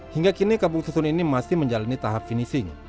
hingga kini kampung susun ini masih menjalani tahap finishing